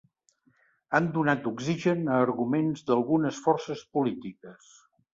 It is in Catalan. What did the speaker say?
Han donat oxigen a arguments d’algunes forces polítiques.